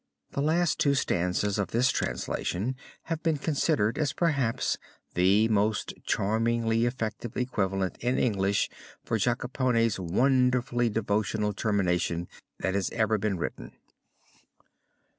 The last two stanzas of this translation have been considered as perhaps the most charmingly effective equivalent in English for Jacopone's wonderfully devotional termination that has ever been written.